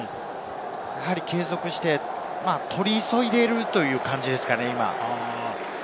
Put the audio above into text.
継続して取り急いでいるという感じですかね。